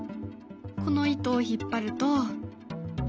この糸を引っ張ると。